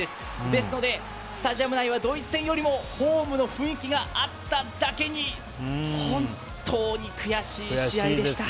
ですのでスタジアム内はドイツ戦よりもホームの雰囲気があっただけに本当に悔しい試合でした。